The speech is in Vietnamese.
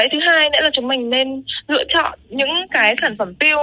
thứ hai là chúng mình nên lựa chọn những cái sản phẩm piu